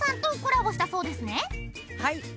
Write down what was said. はい。